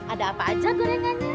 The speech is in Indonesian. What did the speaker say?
ada apa aja gorengannya